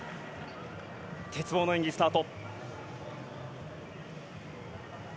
鉄棒の演技、スタート。